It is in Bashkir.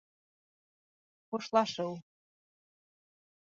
ХУШЛАШЫУ